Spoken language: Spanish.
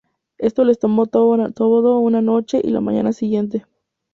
Esto les tomó toda una noche y la mañana siguiente.